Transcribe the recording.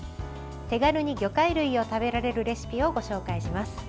手軽に魚介類を食べられるレシピをご紹介します。